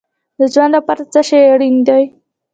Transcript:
د ژوند لپاره څه شی اړین دی؟